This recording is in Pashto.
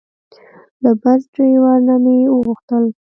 له بس ډریور نه مې وغوښتل.